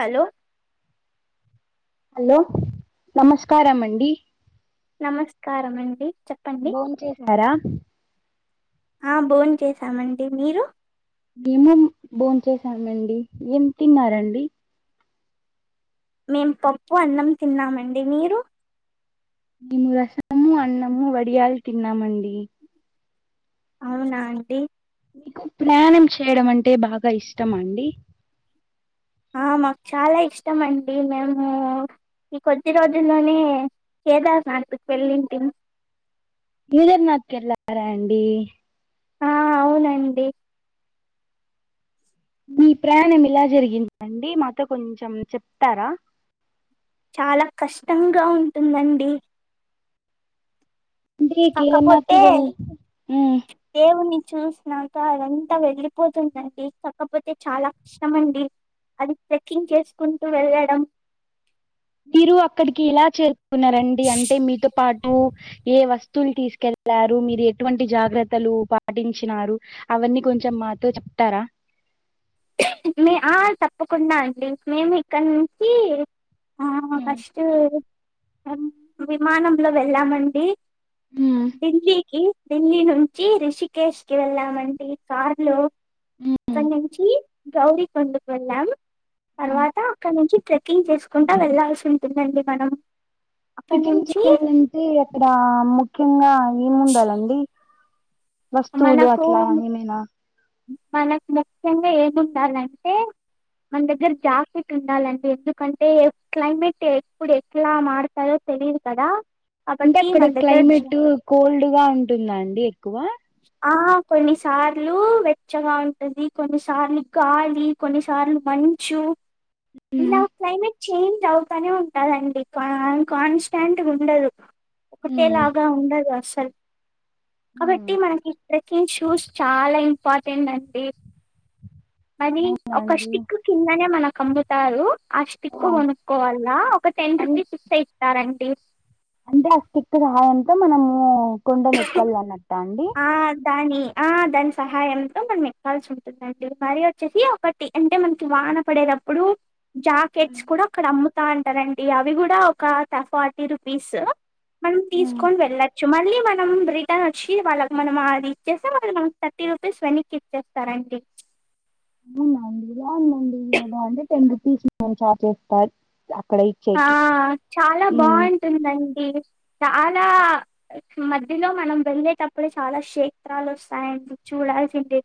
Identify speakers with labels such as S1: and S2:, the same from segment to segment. S1: hello
S2: hello నమస్కారమండీ
S1: నమస్కారమండి
S2: phone చేసారా
S1: ఆ భోన్ చేసామండి మీరు
S2: మేము భోచేసామండి ఏం తిన్నారండి
S1: మేము పప్పు అన్నం తిన్నామండి మీరు
S2: మేము రసము అన్నము వడియాలు తిన్నామండి
S1: అవునా అండి
S2: ప్రయాణం చేయడం అంటే బాగా ఇష్టమా అండి
S1: ఆ మాకు చాలా ఇష్టం అండి మేము ఈ కొద్ది రోజుల్లోనే కేదార్నాథ్కి వెళ్ళింటిం
S2: కేదార్నాథ్ కి వెళ్లారా అండి
S1: ఆ అవునండి
S2: మీ ప్రయాణం ఇలా జరిగిందండి మాతో కొంచెం చెప్తారా
S1: చాలా కష్టంగా ఉంటుందండి
S2: కి కేదర్నాథ్ కి
S1: కాకపోతే
S2: వెళ్ళ ఊ
S1: దేవుని చూసినాక అదంతా వెళ్ళపోతుందండి కాకపోతే చాలా కష్టమండీ అది ట్రెక్కింగ్ చేసుకుంటూ వెళ్ళడం
S2: మీరు అక్కడికి ఇలా చేరుకున్నారండి అంటే మీతో పాటు ఏ వస్తువులు తీసుకెళ్లారు మీరు ఎటువంటి జాగ్రత్తలు పాటించినారు అవన్నీ కొంచెం మాతో చెప్తారా
S1: ఆ తప్పకుండా అండి మేము ఇక్కడ నుంచి ఆ ఫస్ట్ విమానంలో వెళ్ళామండి
S2: హ్మ్
S1: ఢిల్లీకి ఢిల్లీ నుంచి రిషికేష్ కి వెళ్ళామండి కార్ లో
S2: హ్మ్
S1: అక్కనుంచి గౌరి కొండకు వెళ్ళాం తర్వాత అక్కడ నుంచి ట్రేక్ ట్రెక్కింగ్ చేసుకుంటా వెళ్లాల్సి ఉంటుందండి మనం అక్కడ
S2: ట్రాకింగ్
S1: నుంచి
S2: చేయాలంటే అక్కడ ము ముఖ్యంగా ఏముండాలండి వస్తువులు
S1: మనకు
S2: అట్లా ఏమైనా
S1: మనకు ముఖ్యంగా ఏముండాలంటే మన దగ్గర జాకెట్ ఉండాలండి ఎందుకంటే క్లైమేట్ ఎప్పుడు ఎట్లా మడతాదో తెలియదు కదా
S2: అంటే
S1: కాబట్టి
S2: అక్కడ
S1: మన దగ్గర
S2: క్లైమేట్ కోల్డ్ గా ఉంటుందా అండి ఎక్కువ
S1: ఆ కొన్నిసార్లు వెచ్చగా ఉంటది కొన్నిసార్లు గాలి కొన్నిసార్లు మంచు ఇలా
S2: హ్మ్
S1: క్లైమేట్ చేంజ్ అవుతనే ఉంటదండి కా కాన్స్టెంట్ ఉండదు ఒకటేలాగా ఉండదు అస్ స
S2: ఉ
S1: మనకి ట్రెకింగ్ షూస్ చాలా ఇ పాతేటండి మరి ఒక
S2: అవునండి
S1: స్టిక్ కిందనే మనక్ కమ్బుతారు ఆ స్టిక్ కొనుక్కోవాలా ఒక టెన్
S2: అన్
S1: రూపీస్ ఇస్తే ఇస్తారండి ఇ
S2: అంటే అ స్టిక్ సహయంతో మనము కొండ నికల్నట
S1: ఆ దాని ఆ దాని సహాయంతో మనం ఎక్కాల్సి ఉంటుందండి మరీ వచ్చేసి ఒకటి అంటే మనకి వాన పడేటప్పుడు
S2: హ్మ్
S1: జాకెట్స్ కూడా అక్కడ అమ్ము వతా అంటారండి అవి కూడా ఒక ఫార్టీ రూపీస్ మనం తీసుకొని వెళ్ళ చు మలీ మనం రిటర్న్ వాళ్ళకి మనం అది ఇచ్చేస్తే మలి మన థర్టీ రూపీస్ వెనక్కి ఇచ్చేస్తారండి
S2: అవునండి ఇలా ఉందండి ఎలాంటే టెన్ రూపీస్ మమ్మ ఛార్జ్ చేస్తారు అక్కడ
S1: ఆ
S2: ఇచ్చేకి
S1: చాలా
S2: ఉమ్
S1: బాగుంటుందండి చాలా మధ్యలో మనం వెళ్ళేటప్పుడు చాలా క్షేత్రాలు వస్తాయండి చూడాల్సింది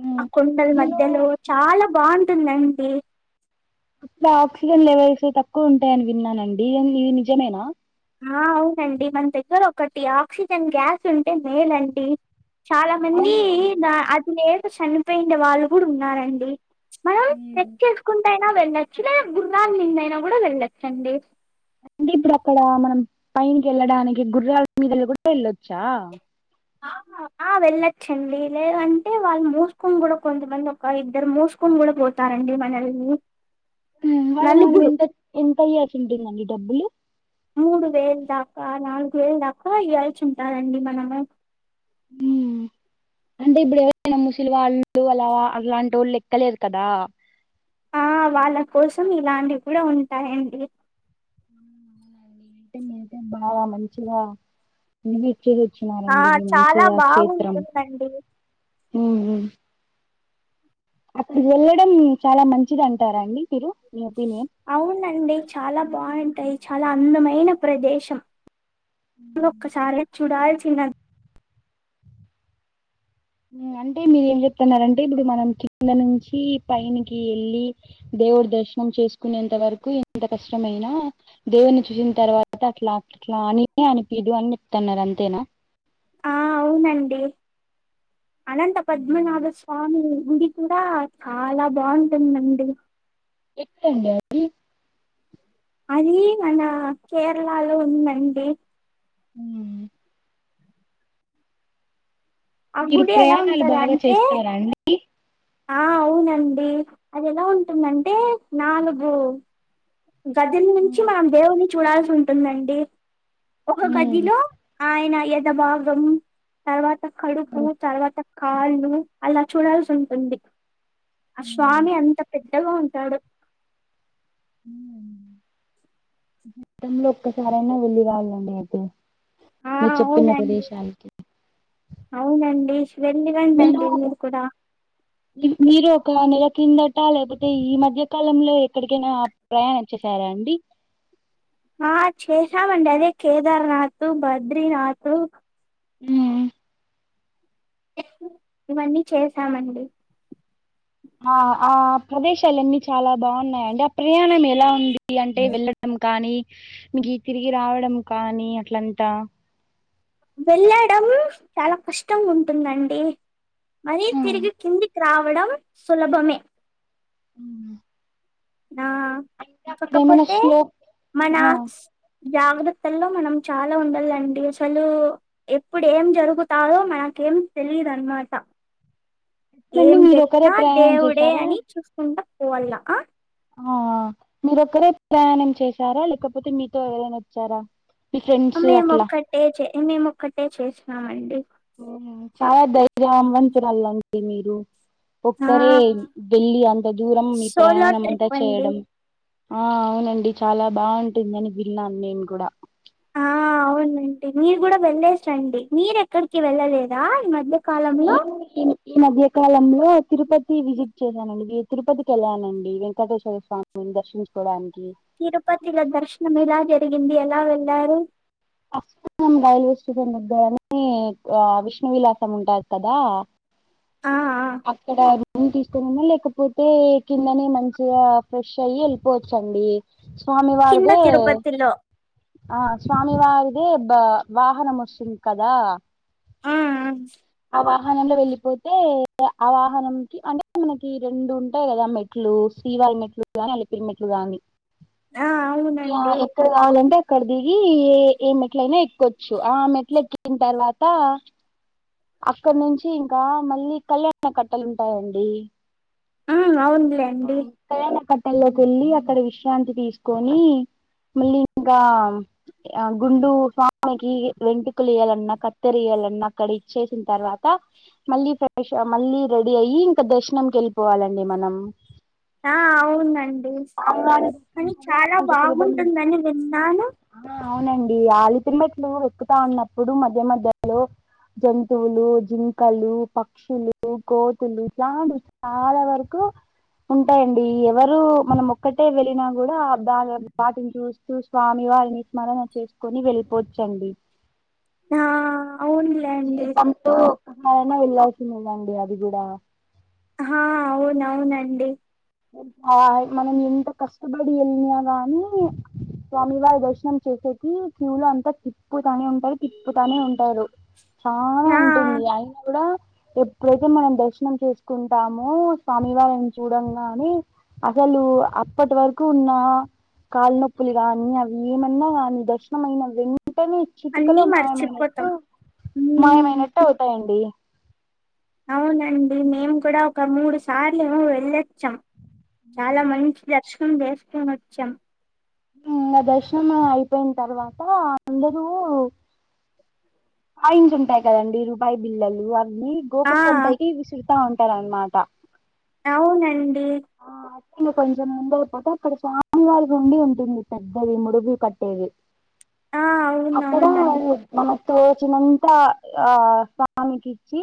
S2: ఉమ్
S1: ఆ కొండల
S2: నేను
S1: మధ్యలో చాలా బాణా టి న్నాండి
S2: అట్లా ఆక్సిజన్ లెవెల్స్ తక్కువ ఉంటాయని విన్నానండి ఇది నిజమేనా
S1: ఆ అవునండి మన దగ్గర ఒకటి ఆక్సిజన్ గ్యాస్ ఉంటే మేలండి చాలా మంది
S2: అవునండి
S1: దా అది లే చనిపోయిండే వాళ్ళు కూడా ఉన్నారండి మనం
S2: ఉమ్
S1: చెక్ చేసుకుంటా హా వెళ్ళొచ్చు లే గుర్రాల్ మింద అయినా కూడా వెళ్ళచ్చండి
S2: అంటే ఇప్పుడు అక్కడ మనం పైకి వెళ్ళడానికి గుర్రాల్ మీద కూడా వెళ్ళొచ్చా
S1: ఆ వెళ్ళచ్చండి లేదంటే వాళ్ళు మోసుకొని కూడా కొంతమంది ఒక ఇద్దరు మోసుకొని కూడా పోతారండి మనల్ని
S2: హు వాళ్ళకి
S1: నలుగురు
S2: మనమెంత ఎంత ఇయ్యచ్చు ఎంత ఉంటుందండి డబ్బులు
S1: మూడు వేలు దాకా నాలుగు వేలు దాకా ఇయ్యాల్సి ఉంటారండి మనము
S2: హు అంటే ఇప్పుడు ఎవరైనా ముసిలివాళ్ళు అలావా అట్లాంటోల్లు ఎక్కలేరు కదా
S1: ఆ వాళ్ళ కోసం ఇలాంటివి కూడా ఉంటాయండి
S2: వుంటే మీకే బాగా మంచిగా ఇవి
S1: ఆ చాలా బాగుంటుందండి
S2: ఉ ఉ అక్కడి వెళ్ళడం చాలా మంచిది అంటారా అండి మీరు మీ ఒపీనియన్
S1: అవునండి చాలా బా బాగుంటాయి చాలా అందమైన ప్రదేశం నేను ఒక్కసారి చూడాల్సి సిందండి
S2: అంటే మీరు ఏం చెప్తన్నరంటే ఇప్పుడు మనం కింద నుంచి పైనికి వెళ్ళి దేవుడి దర్శనం చేసుకునేంత వరకు ఎంత కష్టమైనా దేవుడిని చూసిన తర్వాత అట్లా అట్లా అని అనిపిదు అని చెప్తన్నారు అంతేనా
S1: ఆ అవునండి అనంత పద్మనాభ స్వామి గుడి కూడా చాలా బాగుంటుందండి
S2: ఎక్కడ అండి అది
S1: అది మన కేరళలో ఉందండి
S2: హు
S1: ఆ
S2: మీరు
S1: గుడి ఎలా
S2: ప్రయాణాలు
S1: ఉంటది
S2: బాగా
S1: అంటే
S2: చేస్తారా అండి
S1: ఆ అవునండి అది ఎలా ఉంటుందంటే నాలుగు గది
S2: ఉ
S1: నుంచి మనం దేవుని చూడాల్సి ఉంటుందండి ఒక గదిలో
S2: ఉ
S1: ఆయన ఎద భాగం తర్వాత కడుపు తర్వాత కాళ్ళు అలా చూడాల్సి ఉంటుంది ఆ
S2: ఉ
S1: స్వామి అంత పెద్ద పెద్దగా ఉంటాడు
S2: హు గతంలో ఒక్కసారైనా వెల్లి రావాలండి ల్కూ
S1: ఆ అవునండి అవునండి వెళ్ళి రండండి మీరు కూడా
S2: మీరు ఒక నెల క్రిందట లేకపోతే ఈ మధ్యకాలంలో ఎక్కడికైనా ప్రయాణం వచ్చేసారా అండి
S1: ఆ చేసామండి అదే కేదార్నాథ్ బద్రీనాథ్
S2: హ్మ్
S1: ఇవన్నీ చేసామండి
S2: ఆ ఆ ప్రదేశాలన్ని చాలా బాగున్నాయిండి ఆ ప్రయాణం ఎలా ఉంది అంటే వెళ్ళడం కానీ మీకు తిరిగి రావడం కానీ అట్లంతా
S1: వెళ్ళడం చాలా కష్టం ఉంటుందండి మరీ తిరిగి కిందికి రావడం సులభమే
S2: హ్మ్ ఉ
S1: ఆ కాకపోతే
S2: స్లో
S1: మన జాగ్రత్తల్లో మనం చాలా ఉండల్లండి అసలు ఎప్పుడు ఏం జరుగుతాదో మనకేం తెలిదు అన్నమాట ఏం
S2: ఎట్లండి మీరు ఒకరే
S1: జరిగినా
S2: ప్రయాణం
S1: దేవుడే
S2: చేశారా
S1: అని చూసుకుంటా పోవల్ల అ
S2: ఆ మీరొక్కరే ప్రయాణం చేసారా లేకపోతే మీతో ఎవరైనా వచ్చారా మీ ఫ్రెండ్స్
S1: మేం
S2: అట్లా
S1: ఒక్కటే చె మేము ఒక్కటే చేసినాం అండి
S2: చాలా ధైర్యవంతురాళ్లు అండి మీరు
S1: ఆ
S2: ఒక్కరే వెళ్ళి అంత దూరం మీ
S1: సోలో
S2: ప్రయాణం అంతా
S1: ట్రిప్ అండి
S2: చేయడం ఆ అవునండి చాలా బాగుంటుందని విన్నాను నేను కూడా
S1: ఆ అవునండి మీరు కూడా వెళ్లేేసి రండి మీరు ఎక్కడికి వెళ్ళలేదా ఈ మధ్య కాలంలో
S2: నేను ఈ-ఈ మధ్య కాలంలో తిరుపతి విజిట్ చేశానండి తిరుపతికి వెళ్ళానండి వెంకటేశ్వర స్వామిని దర్శించుకోవడానికి
S1: తిరుపతిల దర్శనం ఎలా జరిగింది ఎలా వెళ్లారు
S2: పంగం రైల్వే స్టేషన్ దగ్గరని అ విష్ణు విలాసం ఉంటాది కదా
S1: ఆ ఆ
S2: అక్కడ తీసుకనిన్నా లేకపోతే కిందని మంచిగా ఫ్రెష్ అయి వెళ్ళిపోవచ్చండి
S1: కింద
S2: స్వామివారిదే
S1: తిరుపతిలో
S2: ఆ స్వామివారి అదే బా వాహనం వస్తుంది కదా
S1: ఆ
S2: ఆ వాహనంలో వెళ్ళిపోతే ఆ వాహనంకి అంటే మనకి రెండు ఉంటాయి కదా మెట్లు శ్రీవారి మెట్లు గాని అలిపిలి మెట్లు గాని
S1: ఆ
S2: ఇ
S1: అవునండి
S2: ఎక్కడ కావాలంటే అక్కడ దిగి ఏ ఏ మెట్లయినా ఎక్కొచ్చు ఆ మెట్లు ఎక్కిన తర్వాత అక్కడ నుంచి ఇంకా మళ్ళీ కళ్యాణ కట్టలు ఉంటాయండి
S1: ఆ అవునులేండి
S2: కల్యాణ కట్ ట్టల్లోకి వెళ్ళి అక్కడ విశ్రాంతి తీసుకొని మళ్ళీ ఇంకా గుండు స్వామికి వెంటుకలు ఇయ్యాలన కత్తెర వేయాలన్నా అక్కడ ఇచ్చేసిన తర్వాత మళ్ళీ ఫ్రెష్ మళ్ళీ రెడీ అయ్యి ఇంకా దర్శనంకి వెళ్ళిపోవాల అండి మనం
S1: ఆ అవునండి
S2: స్వామివారి
S1: కానీ చాలా
S2: అంత సులభం
S1: బాగుంటుందని విన్నాను
S2: ఈ అల్ల్పిరి మెట్లు ఎక్కుతా ఉన్నప్పుడు మధ్య మధ్యలో జంతువులు జింకలు పక్షులు కోతులు ఇలాంటి చాలా వరకు గు ఉంటాయండి ఎవరు మనం ఒక్కటే వెళ్ళినా కూడా దా వాటిని చూస్తూ స్వామి వారిని స్మరణ చేసుకొని వెళ్ళిపోవచ్చండి
S1: ఆ అవునులే అండి
S2: అయిన వెళ్లాల్సిందే అండి అది కూడా
S1: హా అవున అవునండి
S2: ఆ మనం ఎంత కష్టపడి వెళ్ళినా గాని స్వామివారి దర్శనం చేస్సెకీ క్యూలో అంతా తిప్పుతానే ఉంటారు తిప్పుతానే ఉంటారు చాల
S1: ఆ
S2: ఉంటుంది అయిన కూడా ఎప్పుడైతే మనం దర్శనం చేసుకుంటామో స్వామివారిని చూడ కానీ అసలు అప్పటి వరకు ఉన్న కాళనొప్పులు కానీ అవి ఏమన్నా కానీ దర్శనమైనవి వెంటనే
S1: అన్నీ
S2: చిటుకలో మాయమైనట్టు
S1: మర్చిపోతాం ఉమ్
S2: మాయమైనట్టు అవుతాయండి
S1: అవునండి మేము కూడా ఒక మూడు సార్లుమో వెళ్ళొచ్చాం చాలా మంచి అర్శ [unintelligible] వచ్చాం
S2: ఇంకా దర్శనం అయిపోయిన తర్వాత అందరూ కాయిన్స్ ఉంటాయి కదండి రూపాయి బిల్లు మీ
S1: ఆ
S2: [unintelligible] పైకి విసురు వస్తా ఉంటారనమాట
S1: అవునండి
S2: ఆ కొంచెం ముందయిపోతే అప్పుడు స్వామి వారి ఉండి ఉంటుంది పెద్దవి ముడుపూ కట్టేవి
S1: ఆ
S2: అక్కడా
S1: అవునవునండి
S2: మా తోచినంత ఆ స్వామికి ఇచ్చి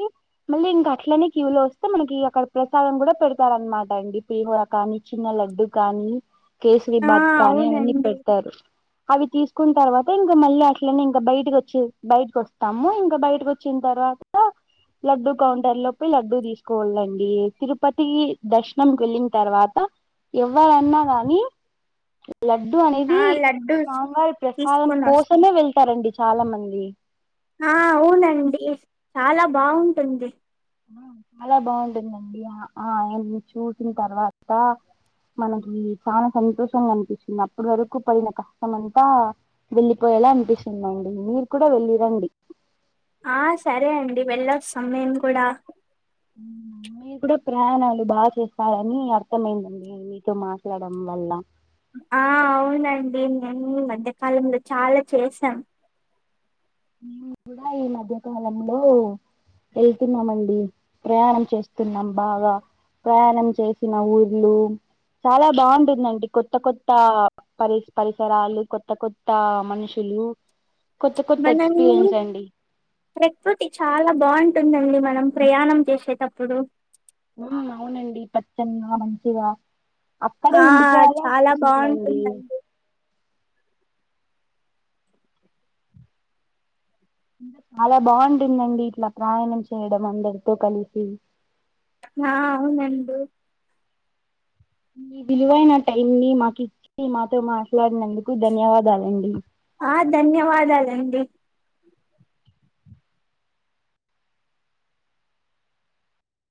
S2: మళ్ళీ ఇంకా అట్లనే కివలో వస్తే మనకి అక్కడ ప్రసాదం కూడా పెడతారు అనమాట అండి పేహోర కానీ చిన్న లడ్డు కానీ కేసరి
S1: ఆ
S2: భాగ కానీ అవన్నీ
S1: అవునండి
S2: పెడతారు అవి తీసుకున్న తర్వాత ఇంకా మళ్ళీ అట్లనే ఇంకా బయటకి వచ్చి బయటకి వస్తాము ఇంకా బయటకి వచ్చిన తర్వాత లడ్డూ కౌంటర్ లో పో లడ్డూ తీసుకోవళండి తిరుపతి దర్శనం వెళ్ళిన తర్వాత ఎవ్వరన్నా కాని లడ్డు అనేది
S1: ఆ లడ్డూ
S2: స్వామీ వారి ప్రసాదం
S1: తీసుకొని వస్త
S2: కోసమే వెళ్తారండి చాలా మంది
S1: ఆ అవునండి చాలా బాగుంటుంది
S2: చాలా బాగుంటుందండి ఆ ఆ ఆయన్ని చూసిన తర్వాత మనకి చాలా సంతోషంగా అనిపిస్తుంది అప్పటి వరకు పడిన కష్టం అంతా వెళ్ళిపోయేలా అనిపిస్తుందండి మీరు కూడా వెళ్ళి రండి
S1: ఆ సరే అండి వెళ్ళొస్తాం నేను కూడా
S2: కూడా ప్రయాణాలు బాగా చేస్తారాని అర్థమయిందండి మీతో మాట్లాడడం వల్ల
S1: ఆ అవునండి నేను మధ్యకాలంలో చాలా చేసాం
S2: మేము కూడా ఈ మధ్యకాలంలో వెళ్తున్నామండి ప్రయాణం చేస్తున్నాం బాగా ప్రయాణం చేసిన ఊర్లు చాలా బాగుంటుందండి కొత్త కొత్త పరి పరిసరాలు కొత్త కొత్త మనుషులు కొత్త కొత్త ఎక్స్
S1: హు ప్రకృతి చాలా బాగుంటుందండి మనం ప్రయాణం చేసేటప్పుడు
S2: ఉ అవునండి పచ్చగా మంచిగా అక్కడే
S1: ఆ
S2: ఉండిపోవాల
S1: చాలా
S2: అనిపిస్తుందండి
S1: బాగుంటుందండి
S2: చాలా బాగుంటుందండి ఇట్లా ప్రయాణం చేయడం అందరితో కలిసి
S1: ఆ అవునండి
S2: మీ విలువైన టైం ని మాకు ఇచ్చి మాతో మాట్లాడినందుకు ధన్యవాదాలండి
S1: ఆ ధన్యవాదాలండి